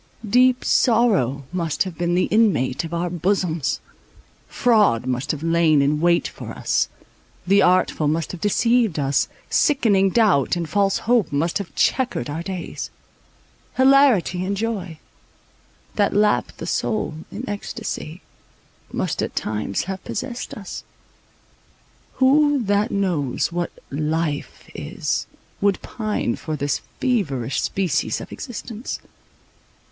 Deep sorrow must have been the inmate of our bosoms; fraud must have lain in wait for us; the artful must have deceived us; sickening doubt and false hope must have chequered our days; hilarity and joy, that lap the soul in ecstasy, must at times have possessed us. Who that knows what "life" is, would pine for this feverish species of existence?